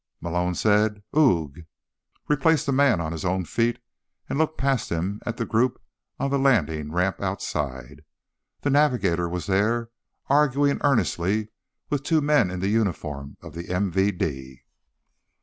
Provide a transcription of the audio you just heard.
Malone said: "Oog," replaced the man on his own feet and looked past him at the group on the landing ramp outside. The navigator was there, arguing earnestly with two men in the uniform of the MVD.